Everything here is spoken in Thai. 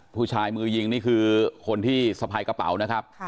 ผู้ชายมือยิงนี่คือคนที่สะพายกระเป๋านะครับ